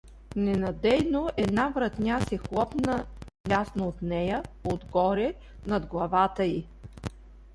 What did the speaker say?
Ненадейно една вратня се хлопна надясно от нея, отгоре, над главата й.